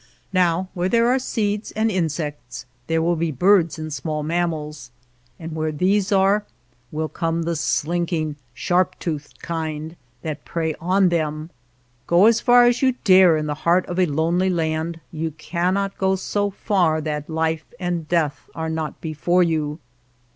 Now where there are seeds and insects there will be birds and small mammals, and where these are, will come the slinking, sharp toothed kind that prey on them. Go as far as you dare in the heart of a lonely land, you cannot go so far that life and death are not before you.